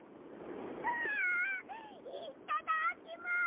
わあいっただっきます！